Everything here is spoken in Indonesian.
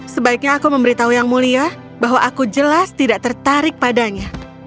sebaiknya aku memberitahu yang mulia bahwa aku jelas tidak tertarik padanya